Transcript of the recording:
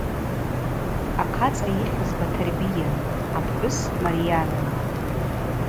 Ахъацӏа йыхьыз Батырбийын, апхӏвыс – Марйанын.